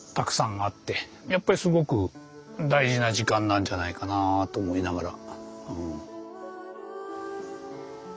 やっぱりすごく大事な時間なんじゃないかなと思いながら。